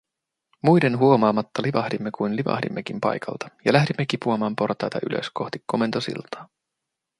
Muiden huomaamatta livahdimme kuin livahdimmekin paikalta ja lähdimme kipuamaan portaita ylös kohti komentosiltaa.